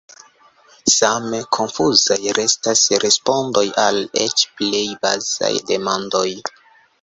Same konfuzaj restas respondoj al eĉ plej bazaj demandoj.